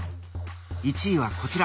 １位はこちら！